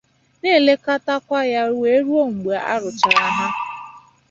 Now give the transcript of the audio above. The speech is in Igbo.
na-eletakwa ya wee ruo mgbe a rụchara ha